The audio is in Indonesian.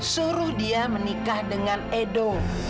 suruh dia menikah dengan edo